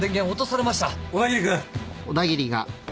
小田切君。